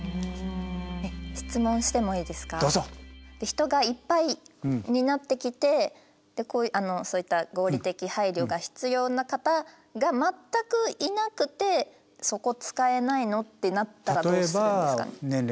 人がいっぱいになってきてそういった合理的配慮が必要な方が全くいなくて「そこ使えないの？」ってなったらどうするんですか？